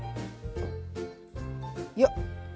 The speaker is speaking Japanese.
よっ。